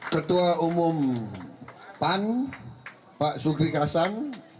ketua umum pan pak suge kasan